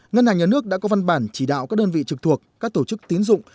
ngân hàng nhà nước đã có văn bản chỉ đạo các đơn vị trực thuộc các tổ chức tiến dụng